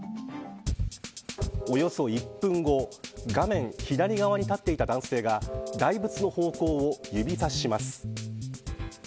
およそ１分後画面左側に立っていた男性が大仏の方向を指差します。